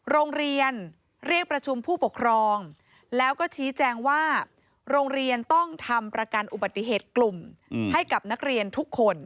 โรงเรียนเรียกประชุมผู้ปกครองแล้วก็ชี้แจงว่าโรงเรียนต้องทำประกันอุบัติเหตุกลุ่มให้กับนักเรียนทุกคน